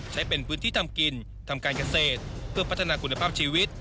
ใช้เป็นพื้นที่ทำกินทำการเกษตรเพื่อพัฒนาคุณภาพชีวิต